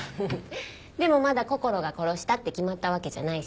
でもまだこころが殺したって決まったわけじゃないし。